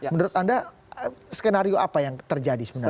menurut anda skenario apa yang terjadi sebenarnya